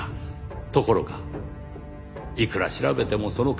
ところがいくら調べてもその影はない。